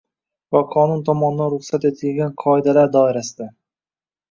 va qonun tomonidan ruxsat etilgan qoidalar doirasida